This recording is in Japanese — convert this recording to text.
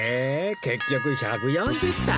結局１４０点？